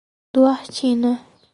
Duartina